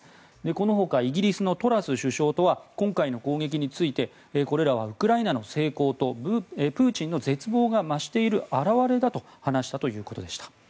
このほかイギリスのトラス首相とは今回の攻撃についてこれらはウクライナの成功とプーチンの絶望が増している表れだと話したということでした。